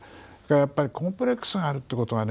やっぱりコンプレックスがあるってことがね